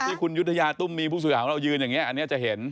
ที่คุณยุธยาตุ้มมีพวกสวยหาวเรายืนอย่างเงี้ยอันนี้อาจจะเห็น